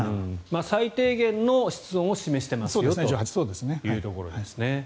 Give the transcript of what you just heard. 最低限の室温を示していますよということですね。